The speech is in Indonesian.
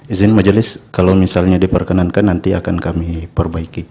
izin majelis kalau misalnya diperkenankan nanti akan kami perbaiki